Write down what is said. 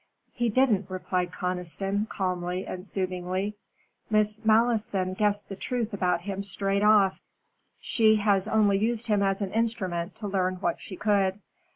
"He didn't," replied Conniston, calmly and soothingly. "Miss Malleson guessed the truth about him straight off. She has only used him as an instrument to learn what she could.